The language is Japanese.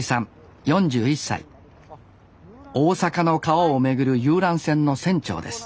大阪の川を巡る遊覧船の船長です